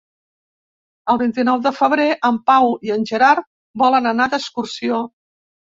El vint-i-nou de febrer en Pau i en Gerard volen anar d'excursió.